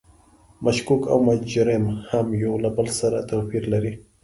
مشکوک او مجرم هم یو له بل سره توپیر لري.